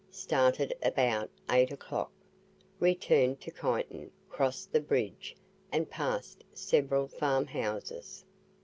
Started about eight o'clock; returned to Kyneton; crossed the bridge, and passed several farm houses.